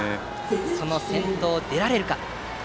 その先頭が出られるか。